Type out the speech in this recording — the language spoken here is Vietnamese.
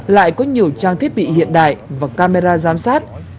lại có nhiều trang thiết bị hiện đại và camera giám sát